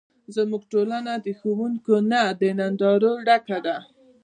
زموږ ټولنه د ښوونکو نه، د نندارو ډکه ده.